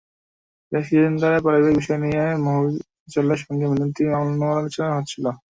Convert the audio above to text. বেশ কিছুদিন ধরে পারিবারিক বিষয় নিয়ে মাফিজলের সঙ্গে মিনতির মনোমালিন্য চলছিল।